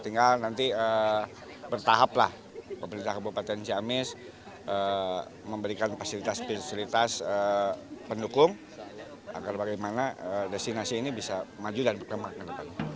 tinggal nanti bertahap lah pemerintah kabupaten ciamis memberikan fasilitas pendukung agar bagaimana destinasi ini bisa maju dan kemakan